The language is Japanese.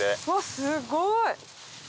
すごい！